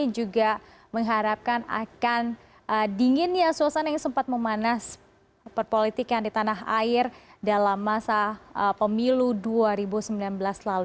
juga mengharapkan akan dinginnya suasana yang sempat memanas perpolitikan di tanah air dalam masa pemilu dua ribu sembilan belas lalu